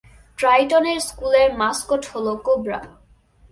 ট্রাইটনের স্কুলের মাসকট হলো কোবরা।